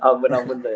ampun ampun toh ya